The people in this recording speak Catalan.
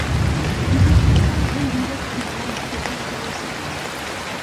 Diumenge en Dan i en Dídac aniran a Fogars de la Selva.